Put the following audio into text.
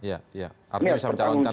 artinya bisa mencalonkan